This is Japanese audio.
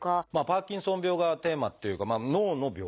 パーキンソン病がテーマっていうか脳の病気。